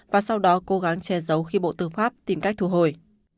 và sau đó cố gắng che giấu khi bộ tư pháp tìm cách thu hồi